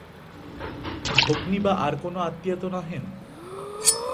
ভগ্নী বা আর কোনো আত্মীয়া তো নহেন?